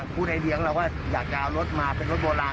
พูดไอเดียเราอยากจะเอารถมาเป็นรถโบราณ